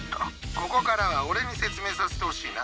ここからは俺に説明させてほしいな。